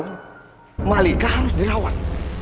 kamali harus dirawat